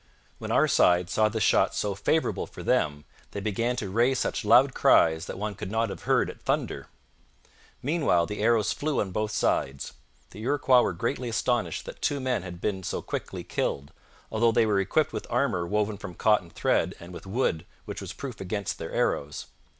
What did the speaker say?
When our side saw this shot so favourable for them, they began to raise such loud cries that one could not have heard it thunder. Meanwhile the arrows flew on both sides. The Iroquois were greatly astonished that two men had been so quickly killed, although they were equipped with armour woven from cotton thread and with wood which was proof against their arrows.